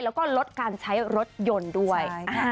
แล้วก็ลดการใช้รถยนต์ด้วย